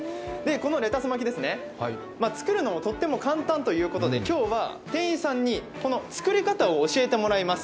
レタス巻きですね、作るのもとっても簡単ということで今日は店員さんに作り方を教えてもらいます。